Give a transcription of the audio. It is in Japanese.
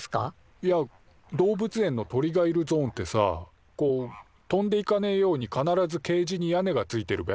いや動物園の鳥がいるゾーンってさこう飛んでいかねえように必ずケージに屋根がついてるべ？